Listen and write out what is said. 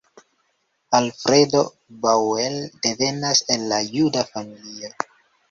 Alfredo Bauer devenas el juda familio.